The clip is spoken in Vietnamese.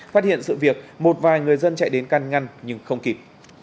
phát hiện sự việc một vài người dân chạy đến căn ngăn nhưng không kịp